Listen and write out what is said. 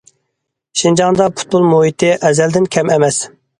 شىنجاڭدا پۇتبول مۇھىتى ئەزەلدىن كەم ئەمەس.